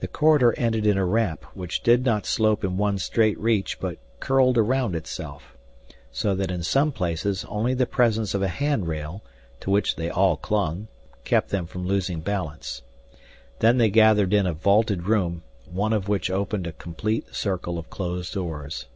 The corridor ended in a ramp which did not slope in one straight reach but curled around itself, so that in some places only the presence of a handrail, to which they all clung, kept them from losing balance. Then they gathered in a vaulted room, one of which opened a complete circle of closed doors.